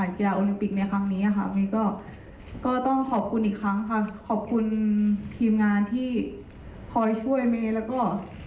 ทีมงานที่คอยช่วยเมแล้วก็